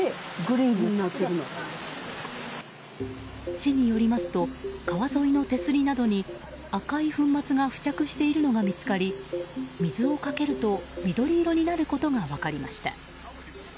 市によりますと川沿いの手すりなどに赤い粉末が付着しているのが見つかり水をかけると緑色になることが分かりました。